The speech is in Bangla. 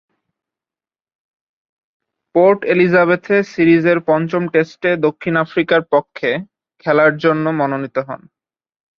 পোর্ট এলিজাবেথে সিরিজের পঞ্চম টেস্টে দক্ষিণ আফ্রিকার পক্ষে খেলার জন্যে মনোনীত হন।